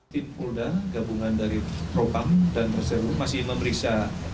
tim polda gabungan dari propang dan mersebu masih memeriksa